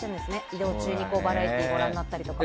移動中にバラエティーをご覧になったりとか。